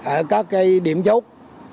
ở các cái điểm chốt